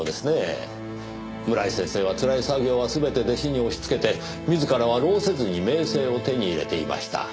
村井先生はつらい作業は全て弟子に押しつけて自らは労せずに名声を手に入れていました。